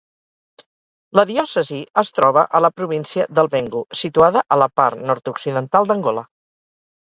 La diòcesi es troba a la província del Bengo, situada a la part nord-occidental d'Angola.